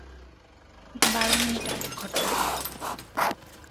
বারো মিনিট আগের ঘটনা।